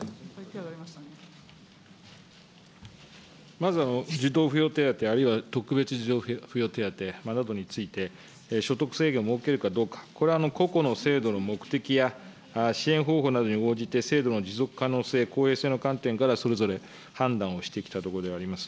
まずは児童扶養手当、あるいは特別児童扶養手当などについて所得制限を設けるかどうか、個々の制度の目的や、支援方法などに応じて制度の持続可能性、公平性の観点から、それぞれ判断をしてきたところであります。